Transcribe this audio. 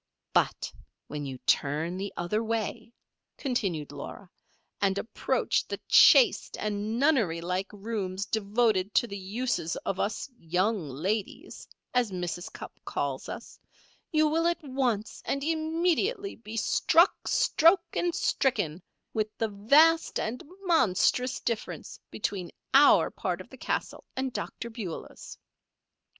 "But when you turn the other way," continued Laura, "and approach the chaste and nunnery like rooms devoted to the uses of 'us young ladies,' as Mrs. Cupp calls us, you will at once and immediately be struck, stroke, and stricken with the vast and monstrous difference between our part of the castle and Dr. Beulah's.